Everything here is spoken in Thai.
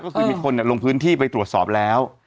ก็คือมีคนลงพื้นที่ไปตรวจสอบแล้ว